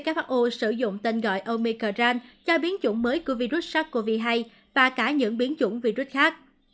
who sử dụng tên gọi omicrang cho biến chủng mới của virus sars cov hai và cả những biến chủng virus khác